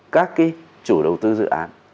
các cái chủ đầu tư dự án